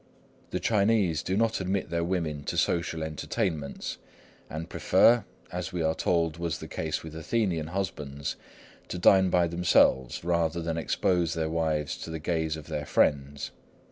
The Chinese do not admit their women to social entertainments, and prefer, as we are told was the case with Athenian husbands, to dine by themselves rather than expose their wives to the gaze of their friends.